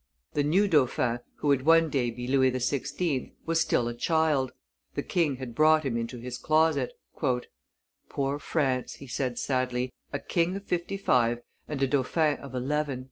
The new dauphin, who would one day be Louis XVI., was still a child; the king had him brought into his closet. "Poor France!" he said sadly, "a king of fifty five and a dauphin of eleven!"